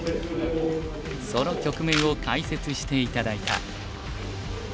その局面を解説して頂いた。